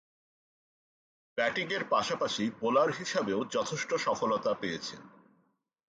ব্যাটিংয়ের পাশাপাশি বোলার হিসেবেও যথেষ্ট সফলতা পেয়েছেন।